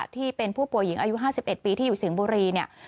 ที่เป็นผู้ป่วยหญิงอายุ๕๑ปีที่อยู่สิงห์บุรีเนี่ย